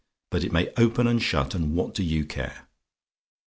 But it may open and shut, and what do you care?